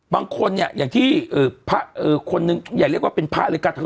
บางคนเนี่ยอย่างที่คนหนึ่งอย่างเรียกว่าเป็นพระอะไรกัน